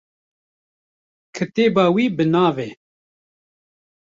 Kitêba wî bi navê